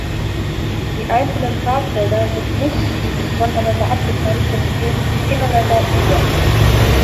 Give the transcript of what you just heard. Die einzelnen Farbfelder sind nicht voneinander abgetrennt, sondern gehen ineinander über.